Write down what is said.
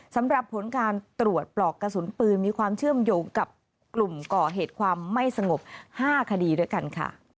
สำหรับผลการตรวจปลอกกระสุนปืนมีความเชื่อมโยงกับกลุ่มก่อเหตุความไม่สงบ๕คดีด้วยกันค่ะ